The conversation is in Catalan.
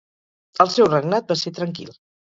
El seu regnat va ser tranquil.